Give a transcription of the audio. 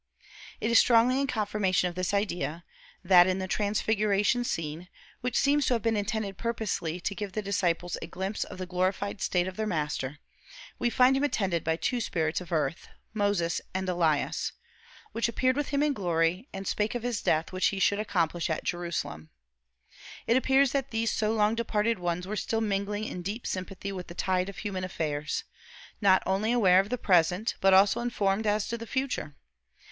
It is strongly in confirmation of this idea, that in the transfiguration scene which seems to have been intended purposely to give the disciples a glimpse of the glorified state of their Master we find him attended by two spirits of earth, Moses and Elias, "which appeared with him in glory, and spake of his death which he should accomplish at Jerusalem." It appears that these so long departed ones were still mingling in deep sympathy with the tide of human affairs not only aware of the present, but also informed as to the future.